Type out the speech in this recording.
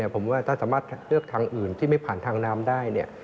ผมว่าถ้าสามารถเลือกทางอื่นที่ไม่ผ่านทางน้ำได้